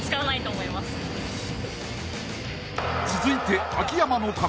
［続いて］